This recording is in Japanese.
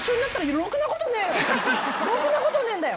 ろくなことねえんだよ。